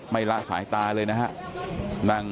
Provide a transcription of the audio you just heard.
ละสายตาเลยนะครับ